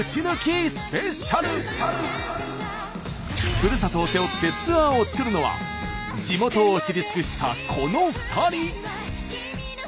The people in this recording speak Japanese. ふるさとを背負ってツアーを作るのは地元を知り尽くしたこの２人。